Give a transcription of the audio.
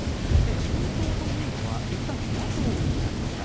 自民党というのは、いったん野党になりました。